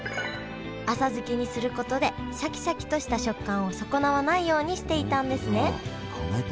浅漬けにすることでシャキシャキとした食感を損なわないようにしていたんですね考えてんだな。